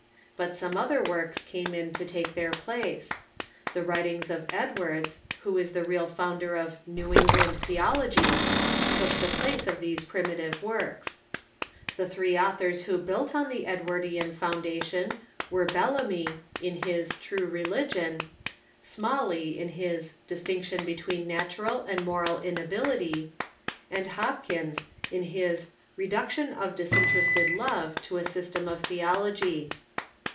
But some other works came in to take their place. The Avritings of Edwards, who is the real founder of " New^ England theology," took the place of these primi tive Avorks. The three authors Avho built on the EdAvardean foundation Avere Bellamy, in his "True Religion;" Smallc)', in his "Distinction between Natural and Moral Inability;" THEOLOGY OF THE AMERICAN CHURCH 629 anil Hopkins, in his "Reduction of Disinterested Love to a System of Tlieology."